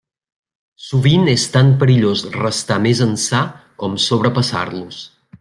Sovint és tan perillós restar més ençà com sobrepassar-los.